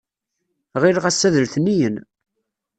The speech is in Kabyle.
Ɣileɣ ass-a d letniyen.